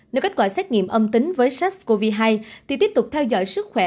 nếu kết quả xét nghiệm âm tính với sars cov hai thì tiếp tục theo dõi sức khỏe